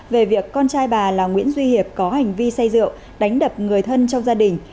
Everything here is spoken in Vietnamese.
về việc con trai bà là nguyễn duy hiệp có hành vi say rượu đánh đập người thân trong gia đình